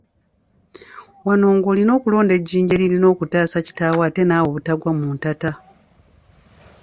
Wano ng’olina okulonda ejjinja eririna okutaasa kitaawo ate naawe obutagwa mu ntata.